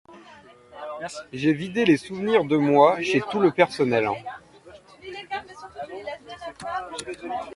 J'ai vidé les souvenirs de moi chez tout le personnel.